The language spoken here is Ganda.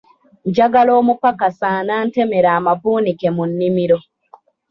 Njagala omupakasi anaantemera amavunike mu nnimiro.